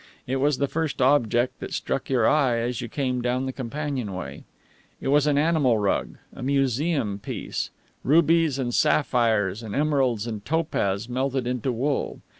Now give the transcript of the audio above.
It was the first object that struck your eye as you came down the companionway. It was an animal rug, a museum piece; rubies and sapphires and emeralds and topaz melted into wool.